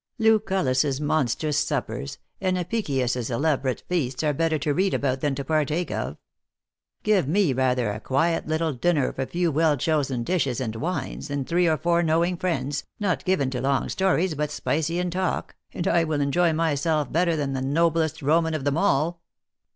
Lucullus monstrous suppers, and Apicius elaborate feasts, are better to read about than to partake of. Give me, rather, a quiet little dinner of a few well chosen dishes and wines, and three or four knowing friends, not given to long stories, but spicy in talk, and I will enjoy myself better than the noblest Roman of them all.